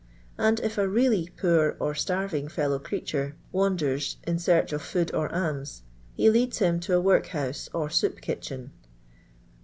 And if a really poor or starving fellow creature wanders in search of food or alms, he leads him to a work house or soup kitchen*.